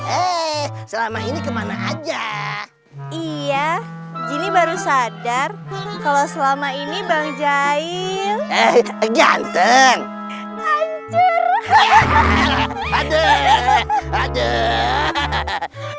eh selama ini kemana aja iya gini baru sadar kalau selama ini bang jail eh ganteng ancur